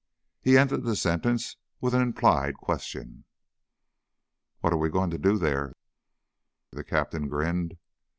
He ended the sentence with an implied question. "What are we going to do there?" The captain grinned.